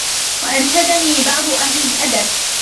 وَأَنْشَدَنِي بَعْضُ أَهْلِ الْأَدَبِ